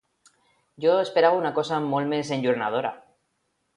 Jo esperava una cosa molt més enlluernadora.